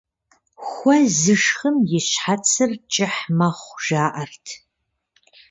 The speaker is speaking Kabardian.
Хуэ зышхым и щхьэцыр кӀыхь мэхъу, жаӀэрт.